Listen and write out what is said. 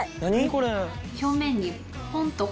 これ。